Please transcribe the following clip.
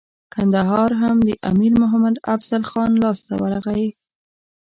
کندهار هم د امیر محمد افضل خان لاسته ورغی.